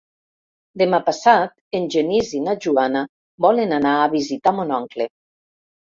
Demà passat en Genís i na Joana volen anar a visitar mon oncle.